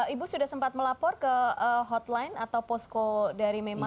ibu sudah sempat melapor ke hotline atau posko dari mei